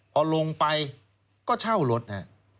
พอลงไปก็เช่ารถนะฮะ